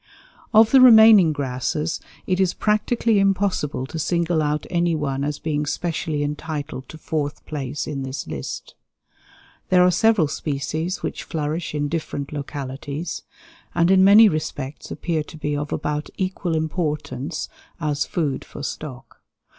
Of the remaining grasses it is practically impossible to single out any one as being specially entitled to fourth place in this list. There are several species which flourish in different localities, and in many respects appear to be of about equal importance as food for stock.